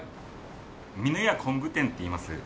みのや昆布店っていいます。